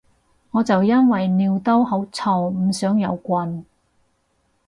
我就因為尿兜好臭唔想有棍